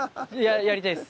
やりたいです。